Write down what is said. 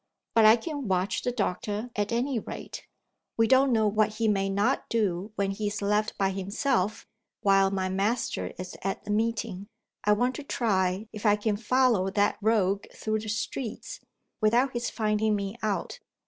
"But I can watch the doctor at any rate. We don't know what he may not do when he is left by himself, while my master is at the meeting. I want to try if I can follow that rogue through the streets, without his finding me out.